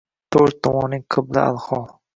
Toʼrt tomonim qibla alhol.